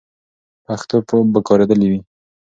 پښتو به کارېدلې وي.